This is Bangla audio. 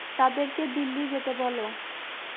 তাদেরকে দিল্লি যেতে বলো।